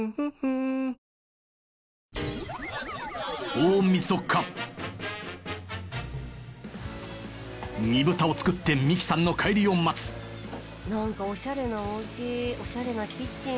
大みそか煮豚を作って心咲さんの帰りを待つ何かおしゃれなお家おしゃれなキッチン。